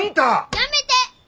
やめて！